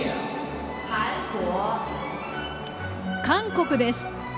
韓国です。